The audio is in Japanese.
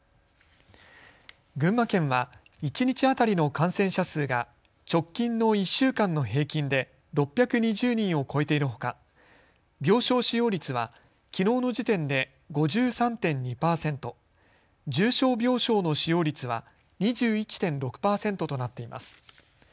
群馬県は一日当たりの感染者数が直近の１週間の平均で６２０人を超えているほか病床使用率はきのうの時点で５３．２％、重症病床の使用率は２１．６％となっています。